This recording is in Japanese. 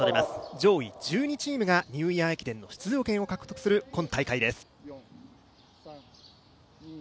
上位１２チームがニューイヤー駅伝の出場権を獲得する今大会です。